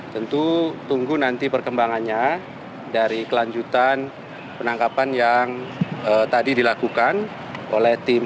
tentu tunggu nanti perkembangannya dari kelanjutan penangkapan yang tadi dilakukan oleh tim